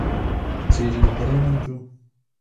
Přijde do Parlamentu?